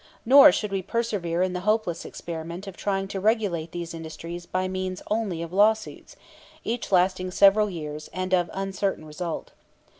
Nor should we persevere in the hopeless experiment of trying to regulate these industries by means only of lawsuits, each lasting several years, and of uncertain result.